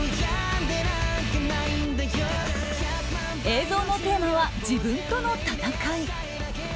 映像のテーマは自分との闘い。